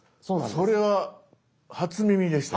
それは初耳でした。